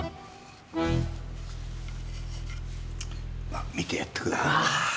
まあ見てやって下さい。